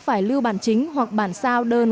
phải lưu bản chính hoặc bản sao đơn